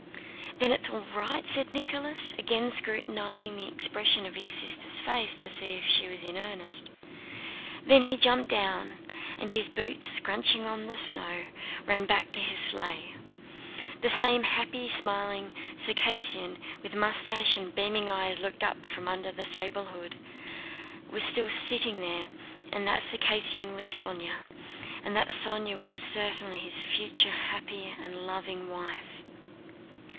"Then it's all right?" said Nicholas, again scrutinizing the expression of his sister's face to see if she was in earnest. Then he jumped down and, his boots scrunching the snow, ran back to his sleigh. The same happy, smiling Circassian, with mustache and beaming eyes looking up from under a sable hood, was still sitting there, and that Circassian was Sónya, and that Sónya was certainly his future happy and loving wife.